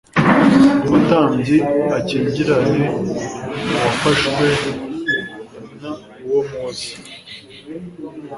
umutambyi akingirane uwafashwe n uwo muze